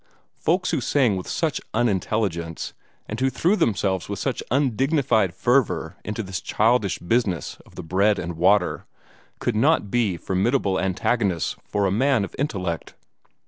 Folks who sang with such unintelligence, and who threw themselves with such undignified fervor into this childish business of the bread and water, could not be formidable antagonists for a man of intellect.